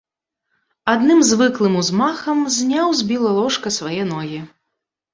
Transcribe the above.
Адным звыклым узмахам зняў з біла ложка свае ногі.